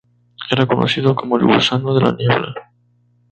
Era conocido como el "gusano de la niebla".